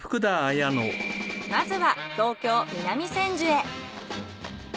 まずは東京南千住へ。